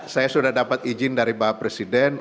saya sudah dapat izin dari bapak presiden